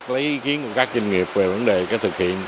lấy ý kiến của các doanh nghiệp về vấn đề thực hiện